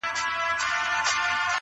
زوی د پلار په دې خبره ډېر خفه سو,